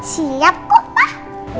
siap kok pak